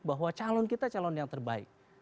bahwa calon kita calon yang terbaik